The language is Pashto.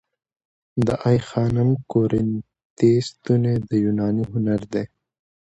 د آی خانم کورینتی ستونې د یوناني هنر دي